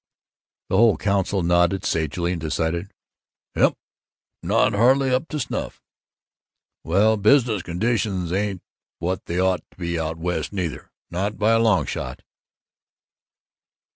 The whole council nodded sagely and decided, "Yump, not hardly up to snuff." "Well, business conditions ain't what they ought to be out West, neither, not by a long shot."